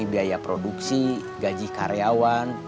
biaya produksi gaji karyawan